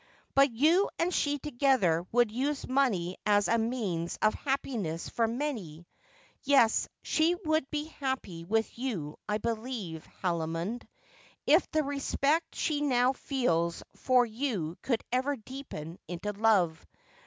But you and she together would use money as a meuis of happiness for many. Yes, she would be happy with you, I believe, Haldimond, if the respect she now feels for you could ever deepen into love.